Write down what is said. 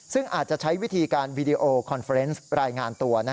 ซึ่งอาจจะใช้วิธีการวีดีโอคอนเฟอร์เนสรายงานตัว